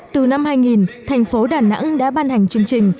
từ năm hai nghìn thành phố đà nẵng đã ban hành chương trình